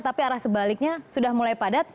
tapi arah sebaliknya sudah mulai padat